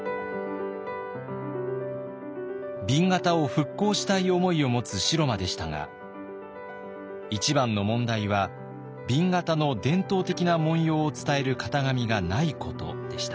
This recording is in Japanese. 紅型を復興したい思いを持つ城間でしたが一番の問題は紅型の伝統的な紋様を伝える型紙がないことでした。